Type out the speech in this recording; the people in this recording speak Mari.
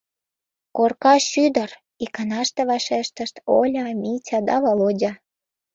— Корка шӱдыр, — иканаште вашештышт Оля, Митя да Володя.